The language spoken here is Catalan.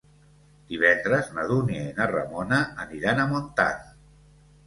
Divendres na Dúnia i na Ramona aniran a Montant.